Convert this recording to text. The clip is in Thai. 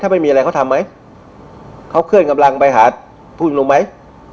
ไม่มีอะไรเขาทำไหมเขาเคลื่อนกำลังไปหาผู้ชุมนุมไหม